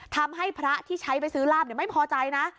ทำให้พระที่ใช้ไปซื้อลาบไม่พอใจนะ